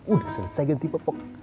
udah selesai ganti popok